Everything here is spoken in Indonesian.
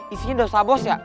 isinya dosa bos ya